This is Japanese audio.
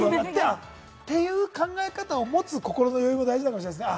っていう考え方を持つ、心の余裕も大事かもしれませんね。